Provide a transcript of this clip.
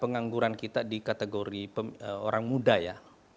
pengangguran kita di kategori orang muda ya